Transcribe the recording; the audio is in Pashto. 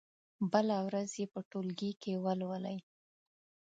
بله ورځ يې په ټولګي کې ولولئ.